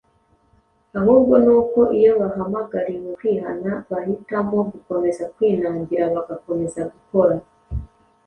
ahubwo ni uko iyo bahamagariwe kwihana bahitamo gukomeza kwinangira bagakomeza gukora